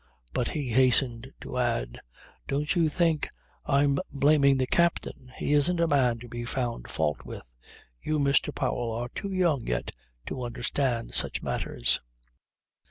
But he hastened to add: 'Don't you think I'm blaming the captain. He isn't a man to be found fault with. You, Mr. Powell, are too young yet to understand such matters.'